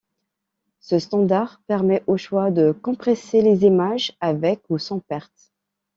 Ce standard permet au choix de compresser les images avec ou sans perte.